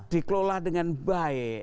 dikelola dengan baik